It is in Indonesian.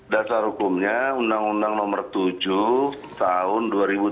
dasar hukumnya undang undang nomor tujuh tahun dua ribu tujuh belas